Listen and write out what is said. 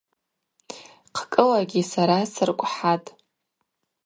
Хъкӏылагьи сара сыркӏвхӏатӏ.